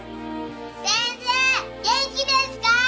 先生元気ですか？